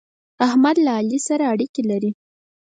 احمد له علي سره اړېکې لري.